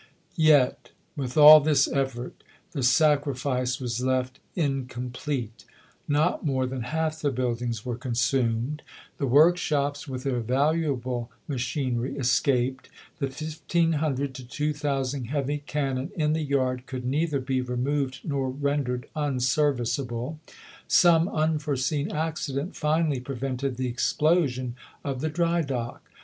Yet, with all this effort, the sacrifice was left in complete. Not more than half the buildings were consumed. The workshops, with their valuable machinery, escaped. The 1500 to 2000 heavy can non in the yard could neither be removed nor rendered unserviceable. Some unforeseen accident finally prevented the explosion of the dry dock.